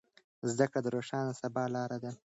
زده کړه د روښانه سبا لاره ده.